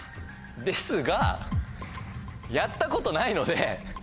ですがやったことないので。